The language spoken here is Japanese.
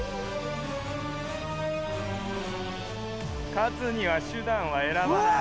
勝つには手だんはえらばない。